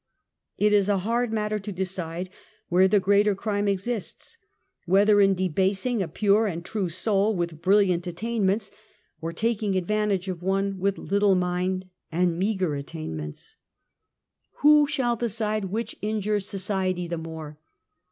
It is a hard matter to decide where the greater crime exists, whether in debasing a pure and true/ soul with brilliant attainments, or taking advantage of one with little mind and meager attainmentsy :84 UNMASKED. Who shall decide which injures society the more?